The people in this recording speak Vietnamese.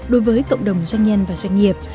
đối với cộng đồng doanh nhân và doanh nghiệp